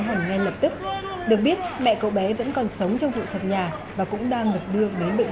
hẳn ngay lập tức được biết mẹ cậu bé vẫn còn sống trong vụ sập nhà và cũng đang được đưa đến bệnh